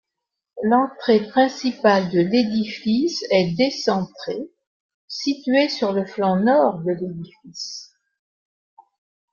L'entrée principale de l'édifice est décentrée, située sur le flanc nord de l'édifice.